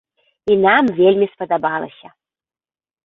І нам вельмі спадабалася.